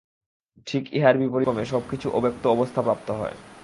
ঠিক ইহার বিপরীতক্রমে সব কিছু অব্যক্ত অবস্থা প্রাপ্ত হয়।